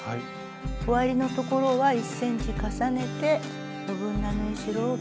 終わりの所は１ｃｍ重ねて余分な縫い代を切っていきます。